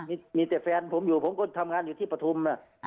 อ่ามีแต่แฟนผมอยู่ผมก็ทำงานอยู่ที่ประทุมน่ะอ่า